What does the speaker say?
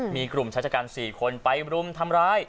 มีกลุ่มชัชกรรม๔คนไปบรุ้มทำร้าย